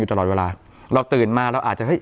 อยู่ตลอดเวลาเราตื่นมาเราอาจจะ